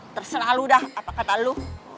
terserah lu dah apa kata lu